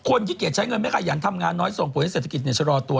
ขี้เกียจใช้เงินไม่ขยันทำงานน้อยส่งผลให้เศรษฐกิจชะลอตัว